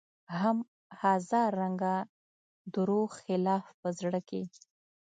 هم هزار رنګه دروغ خلاف په زړه کې